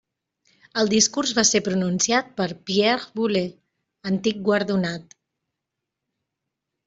El discurs va ser pronunciat per Pierre Boulez, antic guardonat.